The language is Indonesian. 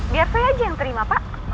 biar saya aja yang terima pak